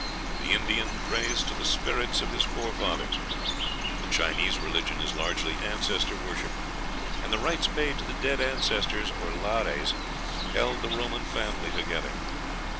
The Indian prays to the spirits of his forefathers; the Chinese religion is largely "ancestor worship;" and the rites paid to the dead ancestors, or lares, held the Roman family together."